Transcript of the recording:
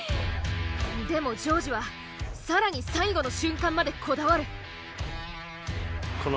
でも丈司は更に最後の瞬間までこだわる。